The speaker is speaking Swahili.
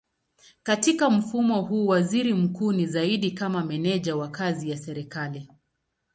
Katika mfumo huu waziri mkuu ni zaidi kama meneja wa kazi ya serikali.